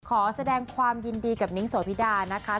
ขอแสดงความยินดีกับนิ้งโสพิดานะคะ